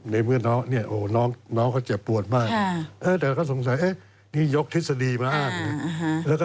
ในเมื่อน้องเนี่ยน้องเขาเจ็บปวดมากแต่ก็สงสัยนี่ยกทฤษฎีมาอ้างนะ